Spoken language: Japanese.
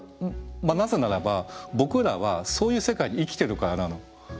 なぜならば僕らはそういう世界に生きてるからなの。